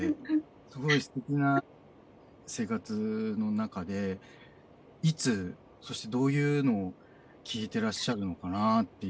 すごいすてきな生活の中でいつそしてどういうのを聴いてらっしゃるのかなっていうのが。